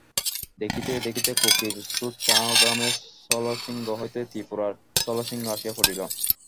দেখিতে দেখিতে কুকির স্রোত চ-গ্রামের শৈলশৃঙ্গ হইতে ত্রিপুরার শৈলশৃঙ্গে আসিয়া পড়িল।